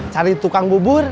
cari tukang bubur